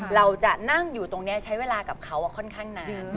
เราจะนั่งอยู่ตรงนี้ใช้เวลากับเขาค่อนข้างนาน